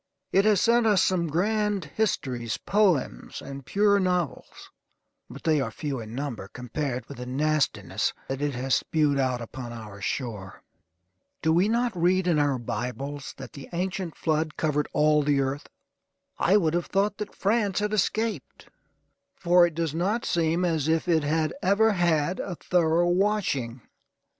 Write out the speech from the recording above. It has sent us some grand histories, poems, and pure novels, but they are few in number compared with the nastiness that it has spewed out upon our shore. Do we not read in our Bibles that the ancient flood covered all the earth? I would have thought that France had escaped, for it does not seem as if it had ever had a thorough washing.